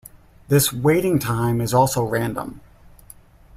This waiting time is also random.